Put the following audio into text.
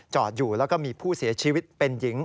อยู่แล้วก็มีผู้เสียชีวิตเป็นหญิง